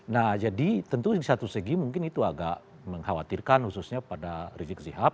nah jadi tentu di satu segi mungkin itu agak mengkhawatirkan khususnya pada rizik sihab